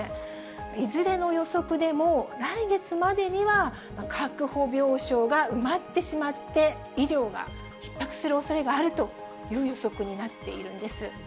いずれの予測でも来月までには、確保病床が埋まってしまって、医療がひっ迫するおそれがあるという予測になっているんです。